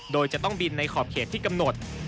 โดยจะต้องบินในขอบเขตที่กำหนด